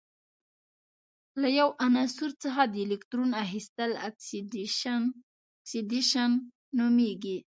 له یو عنصر څخه د الکترون اخیستل اکسیدیشن نومیږي.